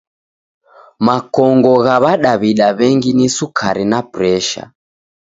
Makongo gha w'adaw'ida w'engi ni Sukari na Presha.